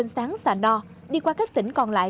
sang sà no đi qua các tỉnh còn lại